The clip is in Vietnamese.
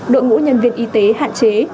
đội ngũ nhân viên y tế hạn chế